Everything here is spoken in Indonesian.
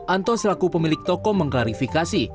anto selaku pemilik toko mengklarifikasi